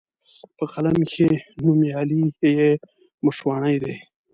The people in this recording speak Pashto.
په قلم کښي نومیالي یې مشواڼي دي